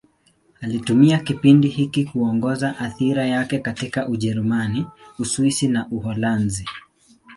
Alitumia kipindi hiki kuongeza athira yake katika Ujerumani, Uswisi na Uholanzi.